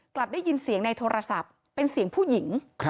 กลับได้ยินเสียงในโทรศัพท์เป็นเสียงผู้หญิง